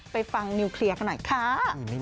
ฟังนิวเคลียร์กันหน่อยค่ะ